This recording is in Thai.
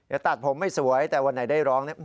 ตัดผมไม่สวยแต่วันไหนได้ร้องเนี่ย